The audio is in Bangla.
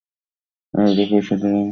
এইরূপেই সাধারণ মানুষের জীবন কাটিয়া যায়।